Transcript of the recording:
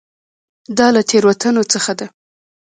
دا له تېروتنو څخه ده.